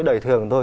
đầy thường thôi